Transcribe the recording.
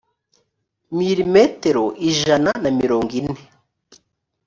milimetero ijana na mirongo ine